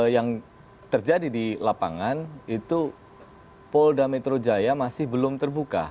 yang terjadi di lapangan itu polda metro jaya masih belum terbuka